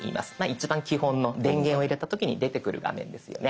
一番基本の電源を入れた時に出てくる画面ですよね。